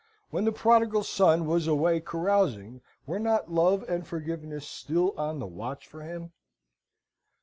When the Prodigal Son was away carousing, were not love and forgiveness still on the watch for him?